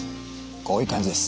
こういう感じです。